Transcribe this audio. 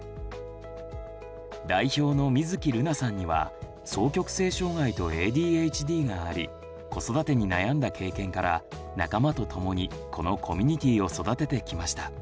代表の水月琉凪さんには双極性障害とＡＤＨＤがあり子育てに悩んだ経験から仲間と共にこのコミュニティーを育ててきました。